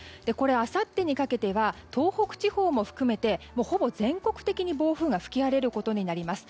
あさってにかけては東北地方も含めてほぼ全国的に暴風が吹き荒れることになります。